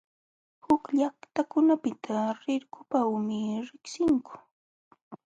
Huk llaqtakunapiqa rirpuwanmi riqsinku.